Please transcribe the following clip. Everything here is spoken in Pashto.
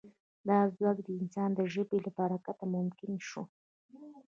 دا ځواک د انسان د ژبې له برکته ممکن شو.